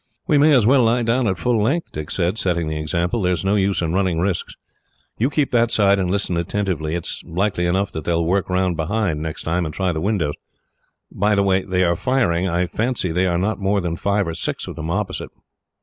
"We may as well lie down at full length," Dick said, setting the example. "There is no use in running risks. You keep that side, and listen attentively. It is likely enough that they will work round behind, next time, and try the windows. By the way they are firing, I fancy there are not more than five or six of them opposite."